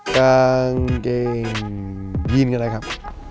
กางเกงยีนก็ได้ครับ